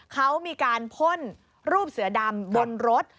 เขามีการพ่นรูปเสือดำบนรถ